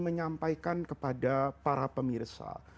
menyampaikan kepada para pemirsa